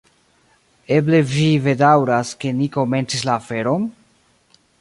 Eble vi bedaŭras, ke ni komencis la aferon?